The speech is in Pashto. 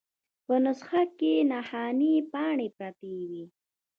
په نسخه کې نښانۍ پاڼې پرتې وې.